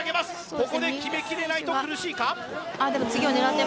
ここで決めきれないと苦しいか。